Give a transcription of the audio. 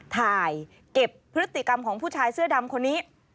ถ่ายเก็บพฤติกรรมของผู้ชายเสื้อดำคนนี้